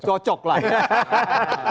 cocok lah ya